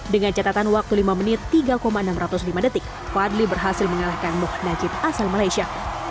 dengan catatan waktu lima menit tiga enam ratus lima detik fadli berhasil mengalahkan muhnajib asal malaysia